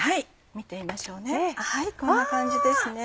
見てみましょうねこんな感じですね。